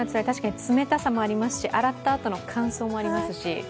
確かに冷たさもありますし、洗ったあとの乾燥もありますし。